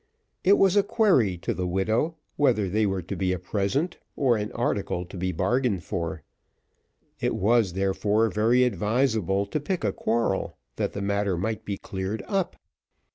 It was a query to the widow whether they were to be a present, or an article to be bargained for: it was therefore very advisable to pick a quarrel, that the matter might be cleared up.